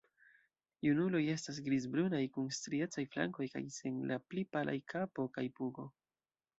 Junuloj estas grizbrunaj kun striecaj flankoj kaj sen la pli palaj kapo kaj pugo.